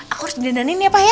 aku harus didendanin ya pak ya